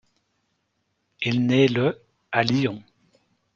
Il naît le à Lyon.